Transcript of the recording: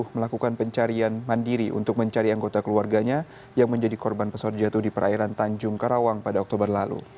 melakukan pencarian mandiri untuk mencari anggota keluarganya yang menjadi korban pesawat jatuh di perairan tanjung karawang pada oktober lalu